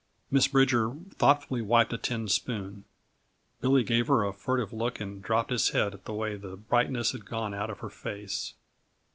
Miss Bridger thoughtfully wiped a tin spoon. Billy gave her a furtive look and dropped his head at the way the brightness had gone out of her face.